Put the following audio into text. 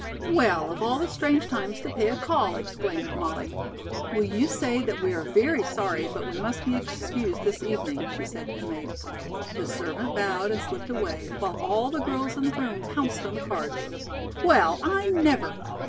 "Well, of all the strange times to pay a call," exclaimed Molly. "Will you say that we are very sorry, but we must be excused this evening," she said to the maid. The servant bowed and slipped away, while all the girls in the room pounced on the cards. "Well, I never!